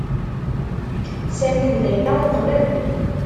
Sami d Layla uḍnen.